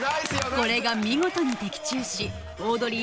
これが見事に的中しオードリー